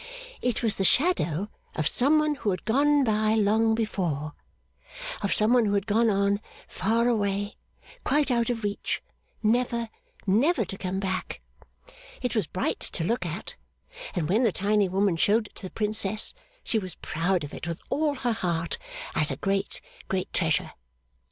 'It was the shadow of Some one who had gone by long before: of Some one who had gone on far away quite out of reach, never, never to come back. It was bright to look at; and when the tiny woman showed it to the Princess, she was proud of it with all her heart, as a great, great treasure.